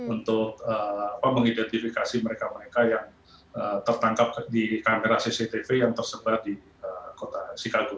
untuk mengidentifikasi mereka mereka yang tertangkap di kamera cctv yang tersebar di kota chicago